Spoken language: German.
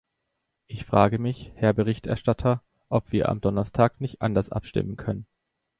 Ich frage mich, Herr Berichterstatter, ob wir am Donnerstag nicht anders abstimmen können.